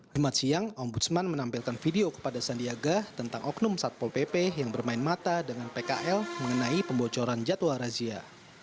jumat siang ombudsman menampilkan video kepada sandiaga tentang oknum satpol pp yang bermain mata dengan pkl mengenai pembocoran jadwal razia